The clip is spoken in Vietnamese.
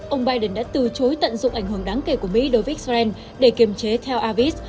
ông biden đã từ chối tận dụng ảnh hưởng đáng kể của mỹ đối với israel để kiềm chế theo avis